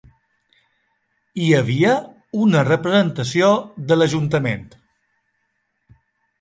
Hi havia una representació de l'ajuntament.